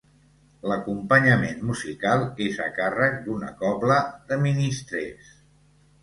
L'acompanyament musical és a càrrec d'una cobla de ministrers.